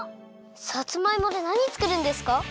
さつまいもでなにつくるんですか？